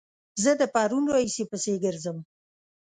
زه د پرون راهيسې پسې ګرځم